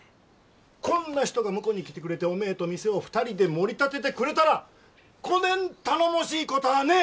こんな人が婿に来てくれておめえと店を２人でもり立ててくれたらこねん頼もしいこたあねえ！